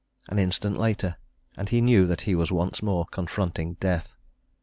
An instant later, and he knew that he was once more confronting death.